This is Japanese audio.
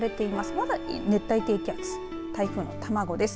まだ熱帯低気圧、台風の卵です。